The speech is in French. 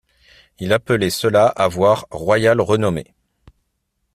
Il appelait cela avoir « royale renommée ».